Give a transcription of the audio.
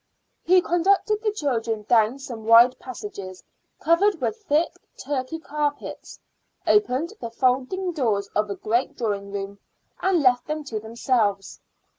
He conducted the children down some wide passages covered with thick Turkey carpets, opened the folding doors of a great drawing room, and left them to themselves.